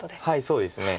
そうですね。